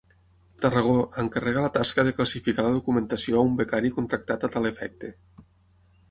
Tarragó, encarrega la tasca de classificar la documentació a un becari contractat a tal efecte.